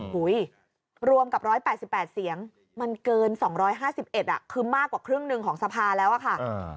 รวมกับ๑๘๘เสียงมันเกิน๒๕๑คือมากกว่าครึ่งหนึ่งของสภาแล้วอะค่ะ